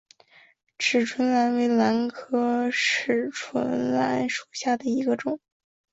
匙唇兰为兰科匙唇兰属下的一个种。